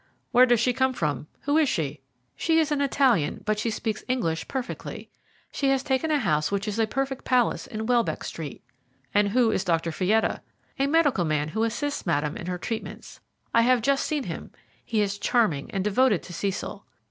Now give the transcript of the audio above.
Where does she come from? Who is she?" "She is an Italian, but she speaks English perfectly. She has taken a house which is a perfect palace in Welbeck Street." "And who is Dr. Fietta?" "A medical man who assists Madame in her treatments. I have just seen him. He is charming, and devoted to Cecil.